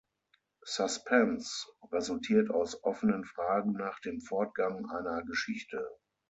Suspense resultiert aus offenen Fragen nach dem Fortgang einer Geschichte.